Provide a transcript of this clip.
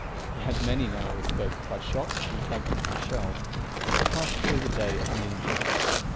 He had many narrow escapes by shot and fragments of shells, but passed through the day uninjured.